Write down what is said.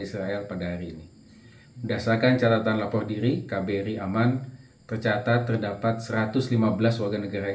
israel pada hari ini berdasarkan catatan lapor diri kbri aman tercatat terdapat satu ratus lima belas warga negara